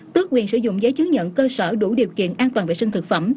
tước quyền sử dụng giấy chứng nhận cơ sở đủ điều kiện an toàn vệ sinh thực phẩm